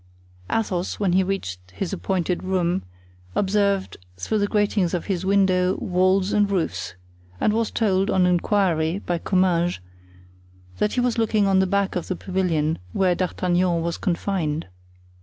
Athos, when he reached his appointed room, observed through the gratings of his window, walls and roofs; and was told, on inquiry, by Comminges, that he was looking on the back of the pavilion where D'Artagnan was confined.